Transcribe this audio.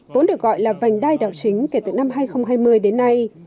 vốn được gọi là vành đai đảo chính kể từ năm hai nghìn hai mươi đến nay